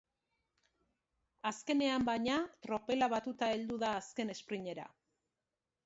Azkenean, baina, tropela batuta heldu da azken esprinera.